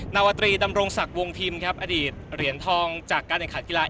นาวตรีดำรงศักดิ์วงพิมพ์ครับอดีตเหรียญทองจากการแข่งขันกีฬา